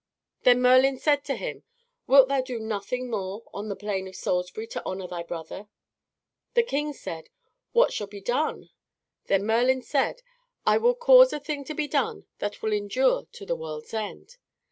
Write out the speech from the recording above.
Then Merlin said to him, "Wilt thou do nothing more on the Plain of Salisbury, to honor thy brother?" The King said, "What shall be done?" Then Merlin said, "I will cause a thing to be done that will endure to the world's end."